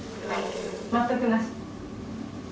全くない。